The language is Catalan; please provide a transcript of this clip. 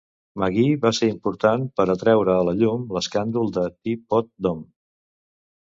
Magee va ser important per a treure a la llum l'escàndol de Teapot Dome.